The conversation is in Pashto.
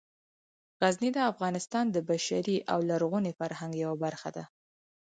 غزني د افغانستان د بشري او لرغوني فرهنګ یوه برخه ده.